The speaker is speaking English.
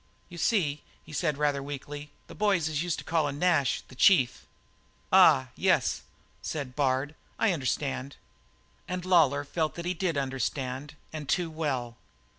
"You see," he said rather weakly, "the boys is used to callin' Nash 'the chief.'" "Ah, yes," said Bard, "I understand." And Lawlor felt that he did understand, and too well.